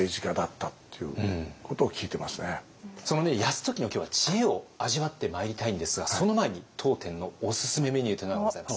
その泰時の今日は知恵を味わってまいりたいんですがその前に当店のおすすめメニューというのがございます。